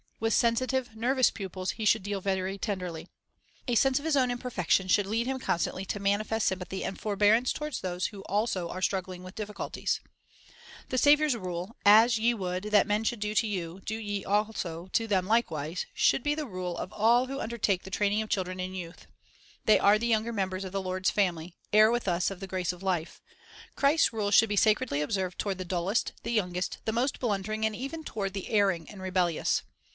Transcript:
With sensitive, nervous pupils he should deal very tenderly. A sense of his own imperfections should lead him constantly to manifest sympathy and forbearance toward those who also are struggling with difficulties. The Saviour's rule, — 'As ye would that men should do to you, do ye also to them likewise," 1 — should be 1 Luke t> : 31, Discipline 293 the rule of all who undertake the training of children and youth. They are the younger members of the Lord's family, heirs with us of the grace of life. Christ's rule should be sacredly observed toward the dullest, the youngest, the most blundering, and even toward the erring and rebellious.